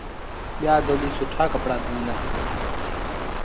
ٻيٚآ دوٻيٚ سُٺآ ڪپڙآ ڌويو ائيٚݩ۔